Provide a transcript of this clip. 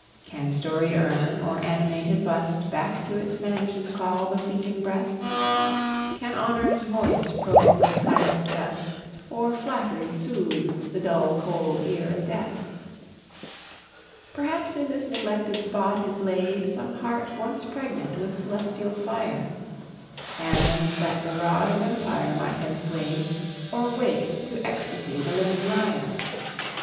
Can storied urn or animated bust Back to its mansion call the fleeting breath? Can Honour's voice provoke the silent dust, Or Flatt'ry soothe the dull cold ear of Death? Perhaps in this neglected spot is laid Some heart once pregnant with celestial fire, Hands that the rod of empire might have sway'd, Or waked to ecstasy the living lyre.